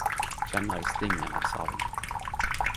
Kjenner eg stingen av savn